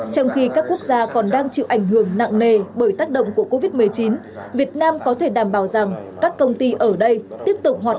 trong khi các quốc gia còn đang chịu ảnh hưởng nặng nề bởi tác động của covid một mươi chín việt nam có thể đảm bảo rằng các công ty ở đây tiếp tục hoạt động